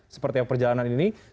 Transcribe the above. seperti perjalanan ini